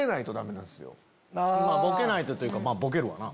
ボケないとというかボケるわな。